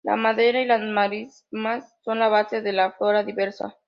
La madera y las marismas son la base de la flora diversa.